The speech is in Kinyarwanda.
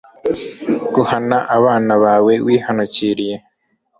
guhana abana bawe wihanukiriye